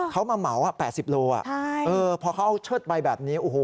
เขามาเหมาะ๘๐โลกรัมพอเขาเชิดไปแบบนี้